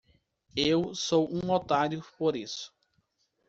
Eu sou um otário por isso.